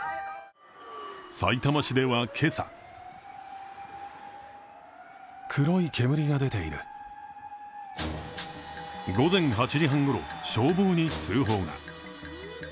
さいたま市では今朝午前８時半ごろ、消防に通報が。